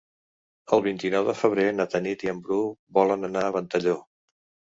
El vint-i-nou de febrer na Tanit i en Bru volen anar a Ventalló.